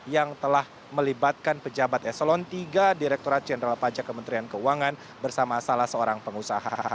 yang telah melibatkan pejabat eselon iii direkturat jenderal pajak kementerian keuangan bersama salah seorang pengusaha